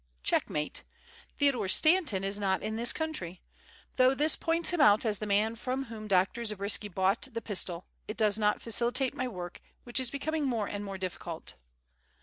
Checkmate! Theodore Stanton is not in this country. Though this points him out as the man from whom Dr. Zabriskie bought the pistol, it does not facilitate my work, which is becoming more and more difficult.